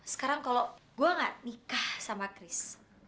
sekarang kalau gue gak nikah sama chris